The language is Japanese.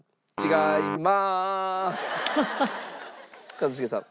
一茂さん。